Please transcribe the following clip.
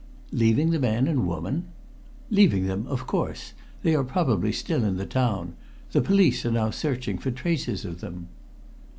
"Leaving the man and the woman?" "Leaving them, of course. They are probably still in the town. The police are now searching for traces of them."